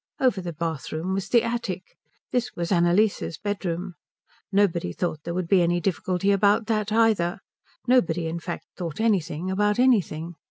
Over the bathroom was the attic. This was Annalise's bedroom. Nobody thought there would be any difficulty about that either; nobody, in fact, thought anything about anything.